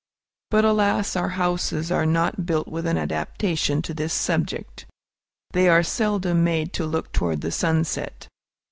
But, alas! our houses are not built with an adaptation to this subject. They are seldom made to look toward the sunset.